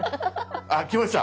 あっきました！